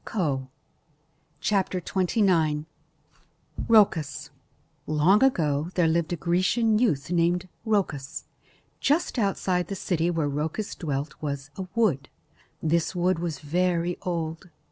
COE Long ago there lived a Grecian youth named Rhoecus. Just outside the city where Rhoecus dwelt was a wood. This wood was very old.